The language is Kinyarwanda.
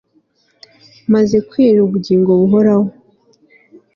maze kwere ubugingo buhoraho